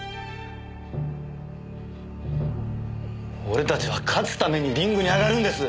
俺たちは勝つためにリングに上がるんです！